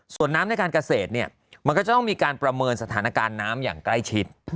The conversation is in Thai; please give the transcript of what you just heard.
ส่วนน้ำในการเกษตรเนี่ยมันก็จะต้องมีการประเมินสถานการณ์น้ำอย่างใกล้ชิด